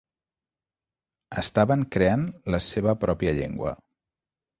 Estaven creant la seva pròpia llengua.